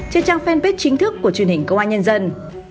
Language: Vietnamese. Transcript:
trên trang fanpage chính thức của truyền hình công an nhân dân